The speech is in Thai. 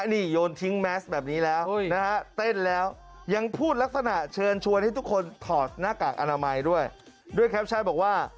นี่มีมัสก์ล่ะมีมัสก์ล่ะไม่ต้องการมีมัสก์ล่ะ